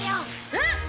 えっ！？